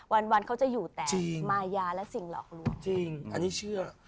วันวันเขาจะอยู่แต่มายาและสิ่งหลอกลวงจริงอันนี้เชื่อ